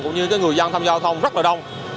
cũng như người dân tham gia giao thông rất là đông